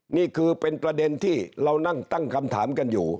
นี่คือเป็นประเด็นที่เรานั่งตั้งคำถามกันอยู่